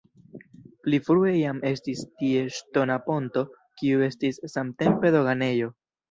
Pli frue jam estis tie ŝtona ponto, kiu estis samtempe doganejo.